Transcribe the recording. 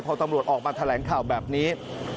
พอตำรวจออกมาแถลงข่าวแบบนี้